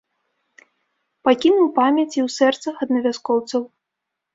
Пакінуў памяць і ў сэрцах аднавяскоўцаў.